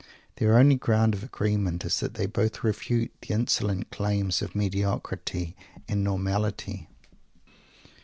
Their only ground of agreement is that they both refute the insolent claims of mediocrity and normality.